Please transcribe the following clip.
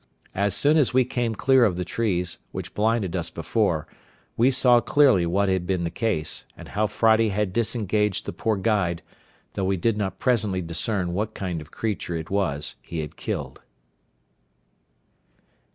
As soon as we came clear of the trees, which blinded us before, we saw clearly what had been the case, and how Friday had disengaged the poor guide, though we did not presently discern what kind of creature it was he had killed.